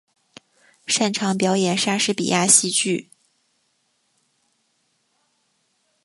擅长表演莎士比亚戏剧。